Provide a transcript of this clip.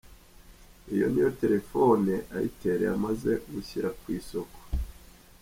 Iyi niyo telefone Itel yamaze gushyira ku isoko.